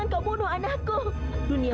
jangan berdiri juma